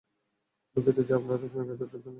দুঃখিত যে আপনারা আকস্মিক এতোটা ধনী হয়ে গেলেন!